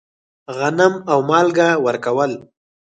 غنم او مالګه ورکول.